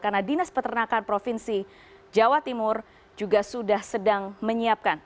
karena dinas peternakan provinsi jawa timur juga sudah sedang menyiapkan